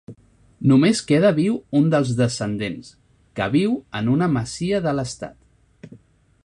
Només queda viu un dels descendents, que viu en una masia de l'estat.